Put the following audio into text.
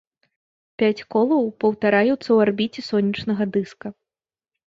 Пяць колаў паўтараюцца ў арбіце сонечнага дыска.